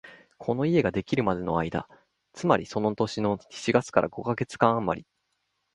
この家ができるまでの間、つまりその年の七月から五カ月間あまり、